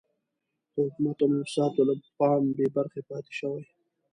د حکومت او موسساتو له پام بې برخې پاتې شوي.